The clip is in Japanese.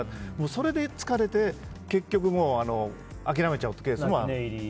それで疲れて、結局諦めちゃうというケースもある。